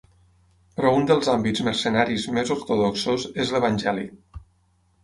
Però un dels àmbits mercenaris més ortodoxos és l'evangèlic.